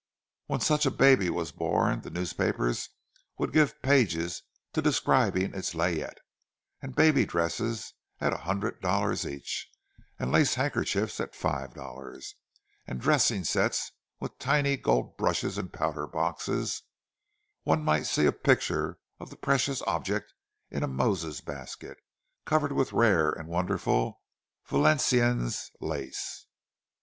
When such a baby was born, the newspapers would give pages to describing its layette, with baby dresses at a hundred dollars each, and lace handkerchiefs at five dollars, and dressing sets with tiny gold brushes and powder boxes; one might see a picture of the precious object in a "Moses basket," covered with rare and wonderful Valenciennes lace.